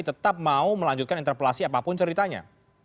tetap mau melanjutkan interpelasi apapun ceritanya